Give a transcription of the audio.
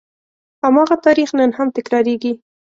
هماغه تاریخ نن هم تکرارېږي.